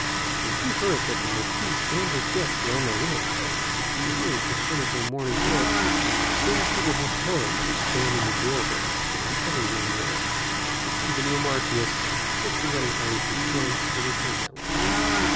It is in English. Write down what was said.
When she heard that the Marquis and his guests were on their way, she hurried to finish her morning's work, so that she would have time to stand in the doorway with the other young girls and see the new Marchioness, if the wedding party should chance to return that way.